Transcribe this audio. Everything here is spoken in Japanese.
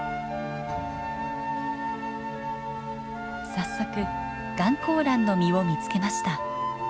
早速ガンコウランの実を見つけました。